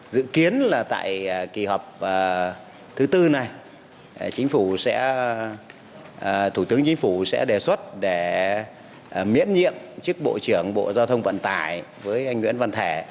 dự kiến là tại kỳ họp thứ tư này chính phủ sẽ thủ tướng chính phủ sẽ đề xuất để miễn nhiệm chức bộ trưởng bộ giao thông vận tải với anh nguyễn văn thể